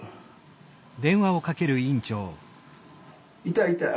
痛い痛い？